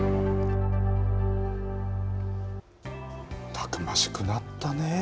たくましくなったね。